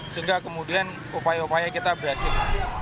sehingga kemudian upaya upaya kita berhasil